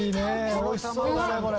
美味しそうだねこれ。